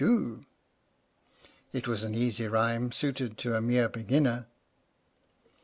"PINAFORE" (It was an easy rhyme, suited to a mere be ginner.)